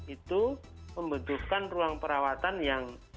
itu membutuhkan ruang perawatan yang